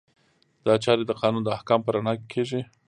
دا چارې د قانون د احکامو په رڼا کې کیږي.